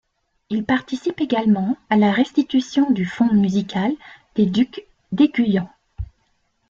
Il participe également à la restitution du fond musical des Ducs d’Aiguillon.